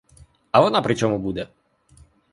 А вона при чому буде?!